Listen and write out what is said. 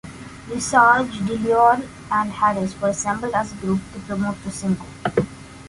Visage, DeLeon and Harris were assembled as a group to promote the single.